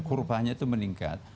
kurvanya itu meningkat